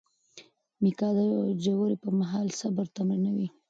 میکا د روژې پر مهال صبر تمرینوي.